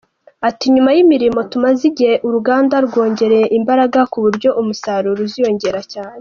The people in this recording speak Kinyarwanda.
Ati “Nyuma y’imirimo tumazemo igihe, uruganda rwongereye imbaraga ku buryo umusaruro uziyongera cyane.